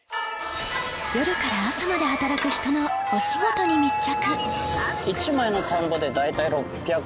夜から朝まで働く人のお仕事に密着